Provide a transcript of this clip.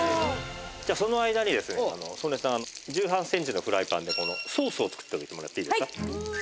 じゃあその間にですね曽根さん１８センチのフライパンでソースを作っておいてもらっていいですか？